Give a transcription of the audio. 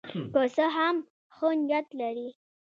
که څه هم ښه نیت لري.